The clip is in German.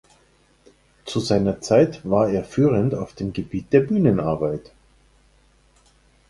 Zu seiner Zeit war er führend auf dem Gebiet der Bühnenarbeit.